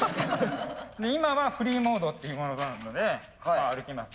今はフリーモードっていうモードなので歩けます。